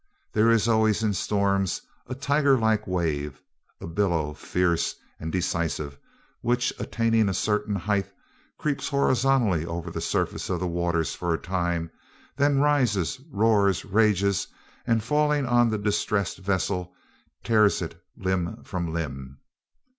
There is always in storms a tiger like wave, a billow fierce and decisive, which, attaining a certain height, creeps horizontally over the surface of the waters for a time, then rises, roars, rages, and falling on the distressed vessel tears it limb from limb.